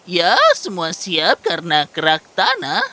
ya semua siap karena krakthana